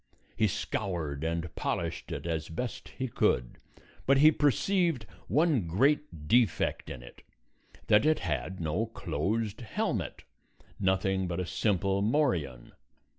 He scoured and polished it as best he could, but he perceived one great defect in it; that it had no closed helmet, nothing but a simple morion.